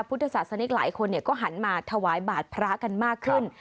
พุทธศาสนิกหลายคนก็หันมาถวายบาทพระกันมากขึ้น